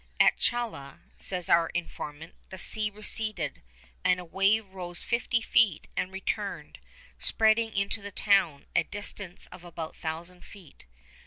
'At Chala,' says our informant, 'the sea receded, and a wave rose fifty feet, and returned, spreading into the town, a distance of about a thousand feet.